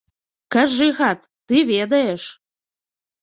Кажы, гад, ты ведаеш!